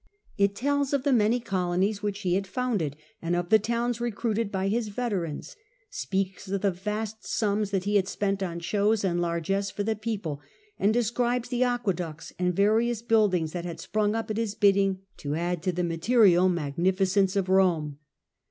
It tells of the many colonies which he had founded, and of the towns recruited by his veterans ; speaks of the vast sums that he had spent on shows and largess for the people ; and describes the aqueducts and various build ings that had sprung up at his bidding to add to the material magnificence of Rome.